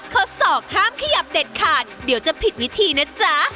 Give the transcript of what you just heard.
ข้อศอกห้ามขยับเด็ดขาดเดี๋ยวจะผิดวิธีนะจ๊ะ